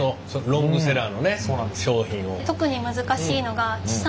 ロングセラーのね商品を。